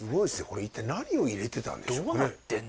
これ一体何を入れてたんでしょうね？